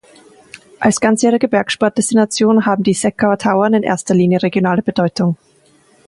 Als ganzjährige Bergsport-Destination haben die Seckauer Tauern in erster Linie regionale Bedeutung.